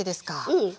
うん。